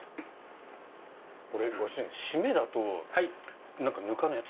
ご主人締めだとぬかのやつ